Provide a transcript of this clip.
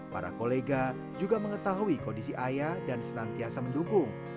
para kolega juga mengetahui kondisi ayah dan senantiasa mendukung